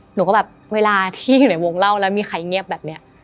หนูก็แบบเวลาที่อยู่ในวงเล่าแล้วมีใครเงียบแบบนี้